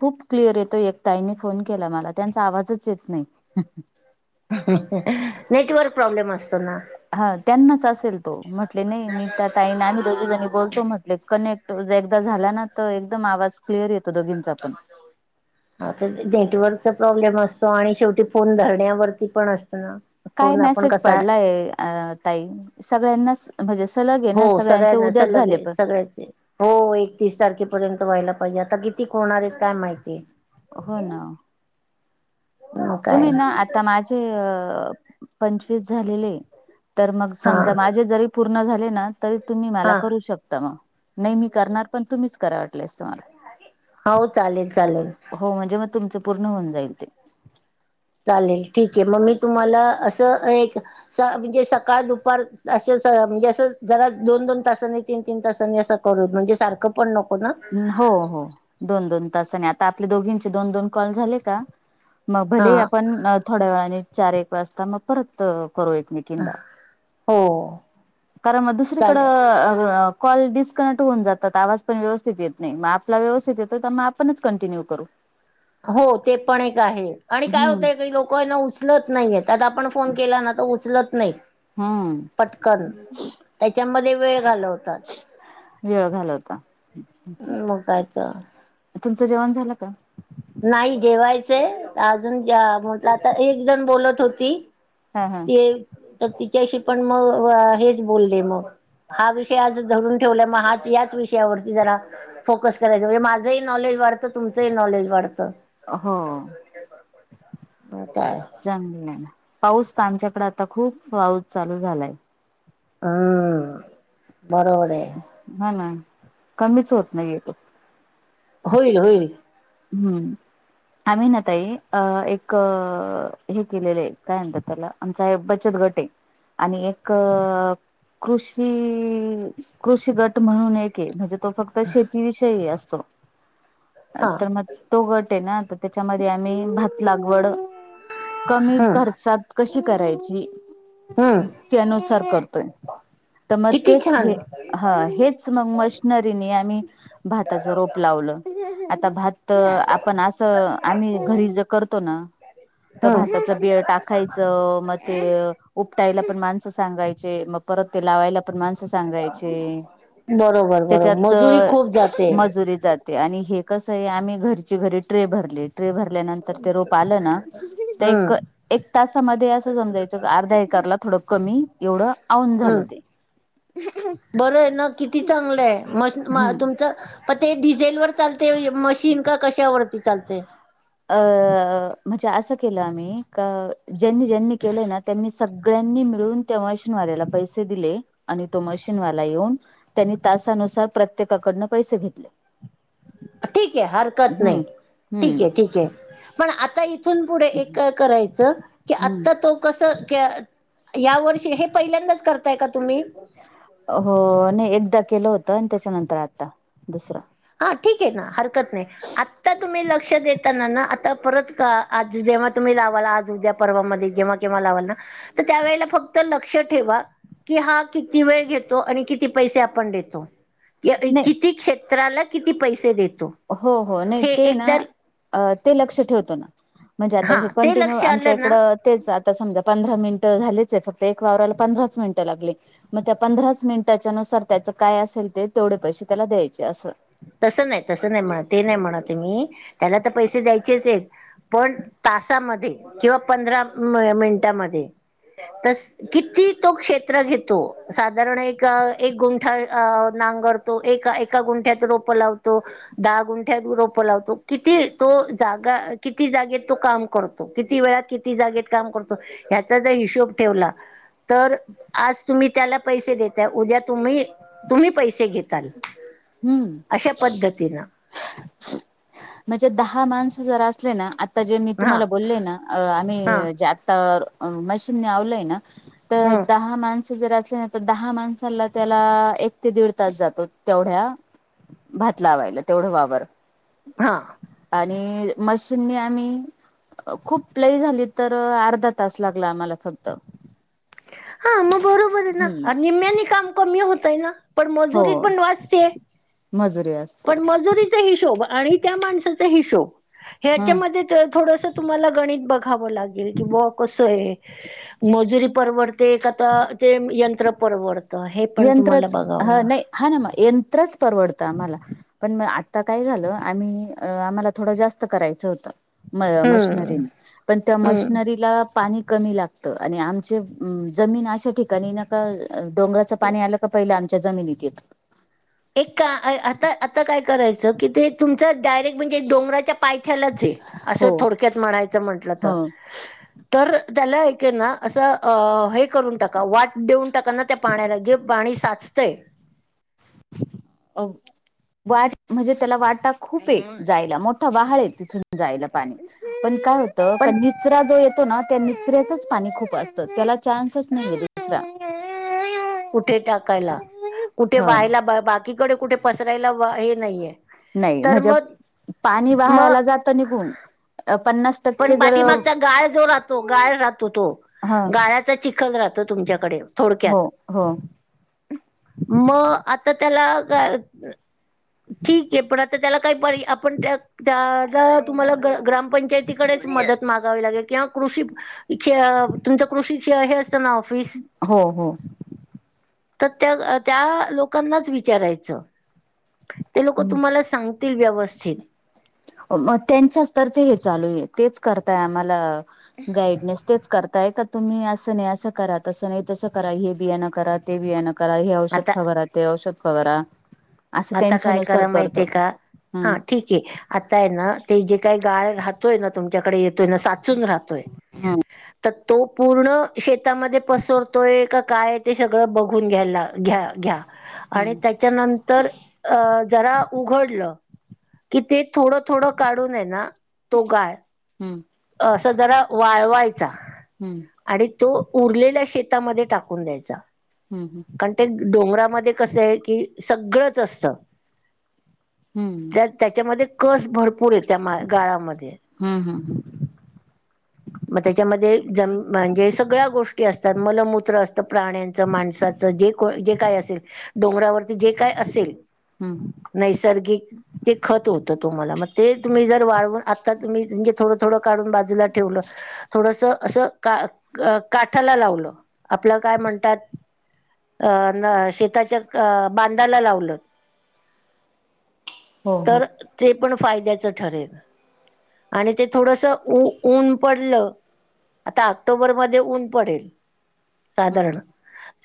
खूप क्लिअर येतोय, एक ताईनी फोन केला मला त्यांचा आवाजच येत नाही. नेटवर्क प्रॉब्लेम असतो ना. हा त्यांनाच असेल तो, मी म्हटले नाही मी त्या ताईना आम्हीं दोघी जणी बोलतो म्हटले कनेक्ट जर एकदा झाला ना तर एकदम आवाज क्लिअर येतो दोघींचा पण. हा तर ते नेटवर्कचा प्रॉब्लेम असतो आणि शेवटी फोन धरण्यावरती पण असतं ना. काय फोन आपण मेसेज कसा पडलाय अ ताई सगळ्यांनाच म्हणजे सलग हे ना सगळ्यांचे उद्याच झाले पण सगळ्यांचे. हो... एकतीस तारखेपर्यंत व्हायला पाहिजे. आता कितीक होणार आहेत काय माहिती... हो ना.. मग काय तुम्ही ना.. आता माझे अ.. पंचवीस झालेले आहे. तर मग हा समजा माझे जरी पूर्ण झाले ना तरी तुम्ही मला हा करू शकता म... नाही मी करणार. पण तुम्हीच करा वाटलंयस तुम्हाला... हा.. ओ... चालेल -चालेल... हो.. म्हणजे मग तुमचं पूर्ण होऊन जाईल ते. चालेल ठीक आहे. मग मी तुम्हाला असं एक... स... म्हणजे सकाळ दुपार असं म्हणजे असं जरा दोन- दोन तासांनी तीन -तीन तासांनी असं... करु म्हणजे सारख... पण नको ना... हो-हो... दोन -दोन तासाने आता आपल्या दोघींचे दोन- दोन कॉल झाले का. मग हा भले आपण थोड्या वेळाने चार एक वाजता मग परत करू एकमेका.... हो... खर... मग चालेल. दुसरीकडं... कॉल डिस्कनेक्ट होऊन जातात. आवाज पण व्यवथित येत नाही. मग आपला व्यवस्थित येतो तर मग आपणच कंटिन्यू करू. हो.. ते पण एक आहे. आणि काय हम्म होतय काही लोक न... उचलत नाहीएत. आता आपण फोन केला ना तर उचलत नाहीत. हम्म... पटकन.... त्याच्यामध्ये वेळ घालवतात. वेळ घालवता... मग काय तर तुमचं जेवण झालं का? नाही जेवायचंय. अजून जा. म.. म्हटलं आता एक जण बोलत होती. हा..... हा.. ते.. तर तिच्याशी पण मग.. अ... हेच बोलले मग... हा... विषय आज धरून ठेवला मग हा याच विषयावरती जरा... फोकस करायचा म्हणजे माझंही नॉलेज वाढतं. तुमचंही नॉलेज वाढतं. हो... काय पाऊस तर आमच्याकडे आता खूप पाऊस चालू झालाय. ह.. बरोबर आहे. हा.. ना.. कमीच होत नाहीेए तो. होईल - होईल... हम्म.. आम्ही ना ताई अ... एक.... हे केलेले आहे. काय म्हणतात त्याला... आमचा एक बचत गट आहे. आणि एक... कृ.. षी.. कृषी गट म्हणून एक म्हणजे तो फक्त शेतीविषयी असतो. हा तर मग तो गट आहे ना. त्याच्यामध्ये आम्ही भात, लागवड, कमी हम्म खर्चात... कशी करायची? हम्म त्यानुसार करतोय. तर मग किती तेच छान हे... हेच.. मग मशनरीनी आम्ही भाताची रोप... लावलं. आता भात.. आपण असं... आम्ही घरी जे करतो ना... हम्म भाताच बिळ टाकायचं... मग ते उपटायला पण माणसं सांगायचे.. मग... परत ते लावायला पण माणसं सांगायचे.... बरोबर बरोबर त्याच्यात मजुरी अ... खूप जाते मजुरी जाते. आणि हे कसं आहे. आम्ही घरच्ये घरी ट्रे भरलेत. ट्रे भरल्यानंतर ते रोप आलं ना.. ते हम्म एक... एक तासामध्ये असं समजायचं अर्धा एकरला थोडं कमी एवढं आऊन झालं हम् ते बरं आहे ना किती चांगलंय म्हणजे मा हम्म तुमचं प ते डिझेल वर चालते मशीन का कशावरती चालते? अ... म्हणजे असं केलं आम्ही का, ज्यांनी ज्यांनी केलंय ना त्यांनी सगळ्यांनी मिळून त्या मशीनवाल्याला पैसे दिले आणि तो मशीनवाला येऊन त्यांनी तासानुसार प्रत्येकाकडनं पैसे घेतले. ठीक आहे हरकत नाही हम्म ठीक हम्म आहे ठीक आहे, पण आता इ तून पुढे एक करायचं की हम्म आता तो कस यावर्षी, हे पहिल्यांदाच करताय का तुम्ही? हो नाही एकदा केलं होतं त्याच्यानंतर आता दुसरं. हा ठीक आहे ना हरकत नाही आता तुम्ही लक्ष देत ता ना ना आता परत का आज जेव्हा तुम्ही लावाल आज उद्या पर्वामध्ये जेव्हा केव्हा लावाल ना तर त्यावेेळेला फक्त लक्ष ठेवा कि हा किती वेळ घेतो आणि किती पैसे आपण देतो. नाही किती क्षेत्राला किती पैसे देतो. हो हो नाही हे ते ना एकदा ते लक्ष ठेवतो ना. म्हणजे आता हा हे ते कंटिन्यू लक्ष आमच्या आलं ना इकडं तेच आता समजा पंधरा मिनिटं झालेच आहे फक्त एक वावराला पंधराच मिनिटं लागले मग त्या पंधराच मिनिटाच्या नुसार त्याच काय असेल ते तेवढे पैसे त्याला द्यायचे असं. तसं नाही तसं नाही म्हणत ते नाही म्हणत मी त्याला तर पैसे द्यायचेच आहेत पण तासामध्ये किंवा पंधरा मिनिटामध्ये तस किती तो क्षेत्र घेतो साधारण एक एक गुंठा नांगर तो एका एका गुंठ्यात रोपं लावतो दहा गुंठ्यात रोपं लावतो किती तो जागा किती जागेत तो काम कर तो किती वेळात किती जागेत काम करतो ह्याचा जर हिशोब ठेवला तर आज तुम्ही त्याला पैसे देताय उद्या तुम्ही तुम्ही पैसे घेताल. हम्म अशा पद्धतीनं. म्हणजे दहा माणस जर असले ना आ ता जे मी हा तुम्हाला बोलले ना हा आम्ही जे आता मशीन लावलय ना तर हम्म दहा माणसं जर असले ना तर दहा माणसांला त्याला एक ते दीड तास जातो, तेवढ्या भात लावायला तेवढं वावर. हा आणि मशीनी आम्ही खूप लई झाली तर अर्धा तास लागला आम्हाला फक्त. हा मग बरोबर आहे हम्म. ना निम्म्याने काम कमी होत आहे ना पण हो मजुरी पण वाचतेय. मजुरी वाच पण मजुरीचा हिशोब आणि त्या माणसाचा हिशोब हा ह्याच्यामध्ये थोडस तुम्हाला गणित बघावं लागेल किंवा बुआ कसं आहे मजुरी परवड ते आता ते यंत्र परवडतं हे पण तुम्हाला यंत्रच बघाव ह ला नाही हा ना मग यंत्रच परवडतं आम्हाला, पण मग आत्ता काय झालं आम्ही आम्हाला थोड जास्त करायचं होतं म हम्म मशनरीन पण त्या हम्म मशनरीला पाणी कमी लाग त आणि आमचे जमीन अशा ठिकाणी ना का डोंगराचं पाणी आलं का पहिलं आम च्या जमिनीत येत. एक आता आता काय करायचं कि तुमच डायरेक्ट म्हणजे डोंगराच्या पाय थ्यालाच ये असं हो थोडक्यात म्हणायचं म्हंटलं तर तर त्याला ऐक ये ना असं अ हे करून टाका वाट देऊन टाका ना त्या पाण्याला जे पाणी साचतय अ [unintelligible] म्हणजे त्याला वाटा खूप येत जायला मोठा वहाळ तिथून जायला पाणी पण काय होत त का पण निचरा जो येत येतो ना त्या निचऱ्याचच पाणी खूप असत त्याला चान्सच नाही ये दुसरा. कुठे टाकायला, कुठे ह वहायला, बाकीकडे कुठे पसरायला व हे नाहीये. नाही, तर म्हणजे मग पाणी मग वाहायला जात निघून पण ना पण पाठीमागचा गाळ जो राहतो गाळ राहतो तो ह गाळ्याचा चिखल राहतो तुमच्याकडे थोडक्यात हो हो मग आता त्याला का ठीक आहे, पण आता त्याला काही पर्या आपण त्या त्याला तुम्हाला ग ग्रामपंचायतीकडेच मदत मागावी लागेल किंवा कृषी इ तुमच्या कृषीची हे असेल ना ऑफिस हो हो तर त्या, त्या लोकांनाच विचारायचं ते लोक हम्म. तुम्हाला सांगतील व्यवस्थित मग त्यांच्याचतर्फे हे चालू आहे तेच करताय आम्हाला अ गायडनेस तेच करताय का तुम्ही असं नाही असं करा, तसं नाही तसं करा, हे बियाणं करा ते बियाणं करा करा हे आता औषध फवारा, ते औषध फवारा असं आता काय त्यांच्यानुसार करा माहिती करतो ये का, हा हम्म ठीक ते आता आहे ना, ते जे काही गाळ राहतोय ना तु तुमच्याकडे येतोय ना साचून राहतोय तर तो पूर्ण शेतामध्ये पसरतोय का काय, ते सगळं बघून घ्यायला घ्या घ्या आणि हम्म त्याच्यानंतर अ जरा उघडलं, की ते थोडं थोडं काढून आहे ना तो गाळ हम्म असं जरा वाळवायचा हम्म आणि तो उरलेल्या शेतामध्ये टाकून द्यायचा. हम्म हम्म. कारण ते डोंगरामध्ये कसं आहे की, सगळंच असतं हम्म त्या त्याच्यामध्ये कस भरपूर आहे त्या मा गाळामध्ये हम्म हम्म म त्याच्यामध्ये जम म्हणजे सगळ्या गोष्टी असतात मलमूत्र असतं प्राण्यांच, माणसा च जे को, जे काय असेल डोंगरावरती जे काय असेल हम्म नैसर्गिक ते खत होतं तुम्हाला मग ते तुम्ही जर वाळवून आत्ता तुम्ही म्हणजे थोडं थोडं काढून बाजूला ठेवलं थोडस असं का काठाला लावलं, आपलं काय म्हणतात अ न शेताच्या बांधाला लावलत हो हो तर ते पण फायद्याचं ठरेल आणि ते थोडसं ऊ ऊन पडल आता ऑक्टोबर मध्ये ऊन पडेल हम्म साधारण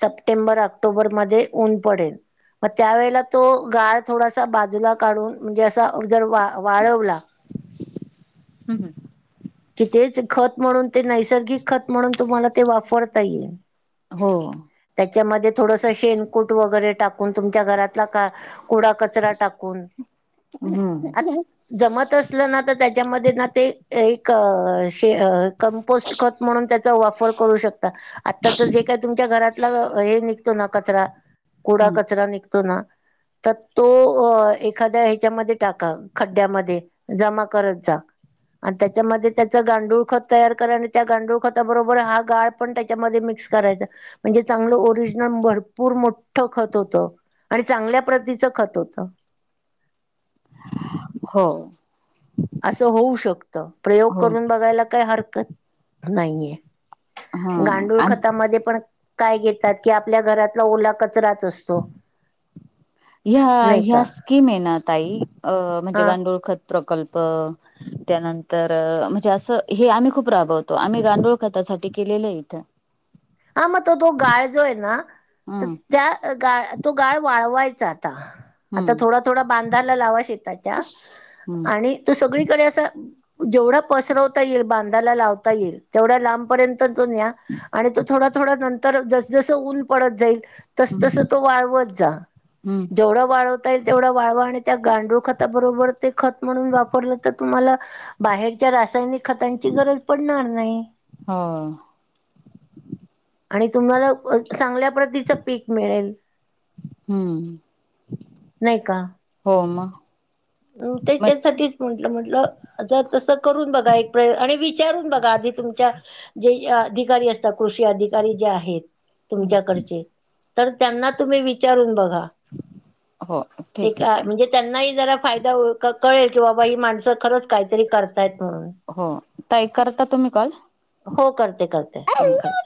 सप्टेंबर, ऑक्टोबर मध्ये ऊन पडेल मग त्यावेेळेला तो गाळ थोडासा बाजूला काढून म्हणजे असा जर वाळवला हम् हम्.. कि तेच खत म्हणून ते नैसर्गिक खत म्हणून तुम्हाला ते वापरता येईल. हो. त्याच्यामध्ये थोडस शेनकूट वगैरे टाकून तुमच्या घरातला का कुडा कच कचरा टाकून हम्म आ जमत असलं ना तर त्याच्यामध्ये ना ते एक कंपोस्ट खत म्हणून त्याचा वापर करू शकता आताच जे का तुमच्या घरात आपला हे निघतो ना, कचरा कुडा हम्म कचरा निघतो ना तर अ ह्याच्यामध्ये एखादया टाका खड्ड्यामध्ये जमा करत जा. आणि त्याच्यामध्ये त्याचं गांडूळ खत तयार करा आणि त्या गांडूळ खताबरोबर हा गाळ पण त्याच्यामध्ये मिक्स करायचा. म्हणजे चांगलं ओरिजिनल भरपूर मोठं खत होतं. आणि चांगल्या प्रतीच खत होतं. हो.. असं होऊ शकतं. प्रयोग हो करून बघायला काही हरकत नाहीये. गांडूळ हा खतामध्ये पण काय घेतात की आपल्या घरातला ओला कचराच असतो. ह, नाही ह्या का स्कीम आहे ना ताई अ म्हणजे हा गांडोळ खत प्रकल्प, त्यानंतर म्हणजे असं हे आम्ही खूप राबवतो आम्ही गांडोळ कथासाठी केलेलं इथं हा मग तो तो गाळ जो आहे ना तर हम्म त्या गा तो गाळ वाळवायचा आता. आता हम्म थोडा, थोडा बांधाला लावा. शेताच्या हम्म आणि तो सगळीकडे असा जेवढा पसरवता येईल बांधाला लावता येईल तेवढ्या लांबपर्यंत त तो न्या आणि त थोड, थोडा नंतर तर जस जस ऊन पडत जाईल तस तस हम्म तो वाळवात जा. हम्म जेवढ वाळ ता येईल तेवढा वाळवा आणि त्या गांडूळ खताबरोबर ते खत म्हणून वापरलं तर तुम्हाला बाहेरच्या रासायनिक खतांची गरज पडणार नाही. हो.. आणि तुम्हाला चांगल्या प्रतीचं पीक मिळेल. हम्म नाही का? हो मंग, अ त्याच्यासाठी, म्हंटलं म्हंटलं आ तसं करून बघा एक प्रय आणि विचारून बघा आधी तुमच्या जे अधिकारी असतात कृषी अधिकारी जे आहेत. तुमच्याकडचे तर त्यांना तुम्ही विचारून बघा. हो ठीक ते आहे का ताई म्हणजे त्यांनाही जरा फायदा हो कळेल की बाबा ही माणसं खरंच काहीतरी करतायत म्हणून, हो ताई करता तुम्ही कॉल. हो करते करते.. [unintelligible] करते